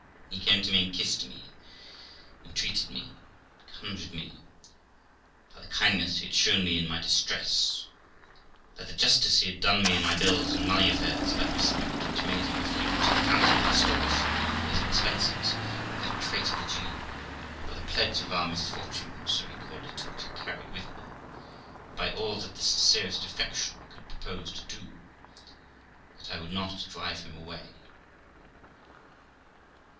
He came to me and kissed me, entreated me, conjured me by the kindness he had shown me in my distress, by the justice he had done me in my bills and money affairs, by the respect which made him refuse a thousand pistoles from me for his expenses with that traitor the Jew, by the pledge of our mis fortunes (so he called it) which I carried with me, and by all that the sincerest affection could propose to do, that I would not drive him away.